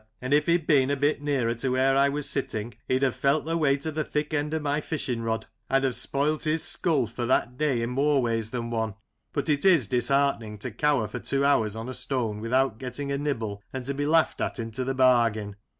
And if he'd been a bit nearer to where I was sitting, he'd have felt the weight of the thick end of my fishing rod. I'd have spoilt his skull for that day in more ways than one. But it is disheartening to cower for two hours on a stone without getting a nibble, and to be laughed at into th' bargain.